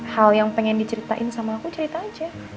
hal yang pengen diceritain sama aku cerita aja